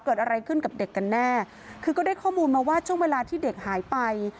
เกิดอะไรขึ้นกับเด็กกันแน่คือก็ได้ข้อมูลมาว่าช่วงเวลาที่เด็กหายไป